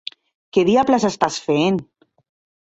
Què diables estàs fent?